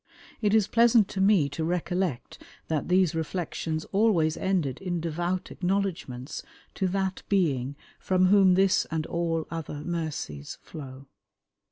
It is pleasant to me to recollect that these reflections always ended in devout acknowledgments to that Being from whom this and all other mercies flow."